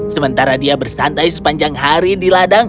sementara dia bersantai sepanjang hari di ladang